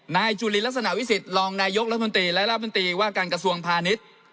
นายจุลินลักษณะวิสิทธิรองนายกรัฐมนตรีและรัฐมนตรีว่าการกระทรวงพาณิชย์